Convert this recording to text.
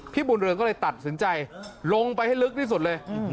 บุญเรืองก็เลยตัดสินใจลงไปให้ลึกที่สุดเลย